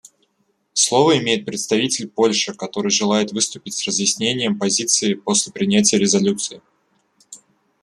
Слово имеет представитель Польши, который желает выступить с разъяснением позиции после принятия резолюции.